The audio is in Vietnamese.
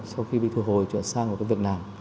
sau khi bị thu hồi chuyển sang một cái việc làm